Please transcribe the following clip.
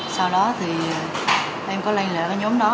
sau đó thì em có lên lại cái nhóm đó